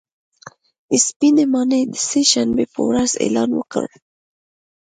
سپینې ماڼۍ د سې شنبې په ورځ اعلان وکړ